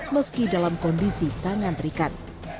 meski dalam kondisi tangan terikat